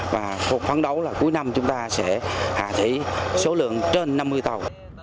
và phóng đấu là cuối năm chúng ta sẽ hạ thí số lượng trên năm mươi tàu